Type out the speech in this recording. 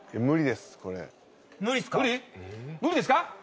無理ですか？